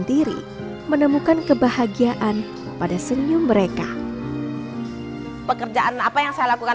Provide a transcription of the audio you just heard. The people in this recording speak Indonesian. diri menemukan kebahagiaan pada senyum mereka pekerjaan apa yang saya lakukan